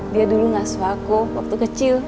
dia dulu ngasih aku waktu kecil